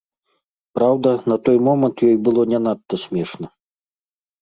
Праўда, на той момант ёй было не надта смешна.